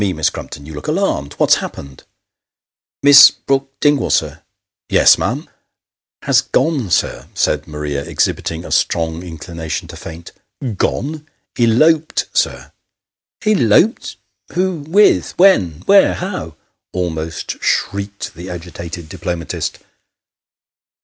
Miss Crumpton, you look alarmed. What has happened ?"" Miss Brook Dingwall, sir "" Yes, ma'am ?"" Has gone, sir " said Maria, exhibiting a strong inclination to faint. " Gone !"" Eloped, sir." " Eloped ! Who with when where how ?" almost shrieked the agitated diplomatist.